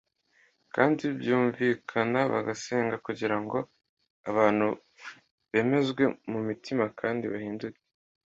kandi bwumvikana, bagasenga kugira ngo abantu bemezwe mu mitima kandi bahinduke.